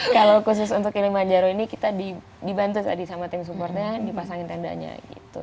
kalau khusus untuk yang lima jaro ini kita dibantu tadi sama tim supportnya dipasangin tendanya gitu